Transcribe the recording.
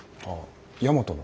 大和の？